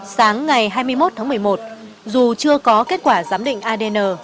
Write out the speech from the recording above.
sáng ngày hai mươi một tháng một mươi một dù chưa có kết quả giám định adn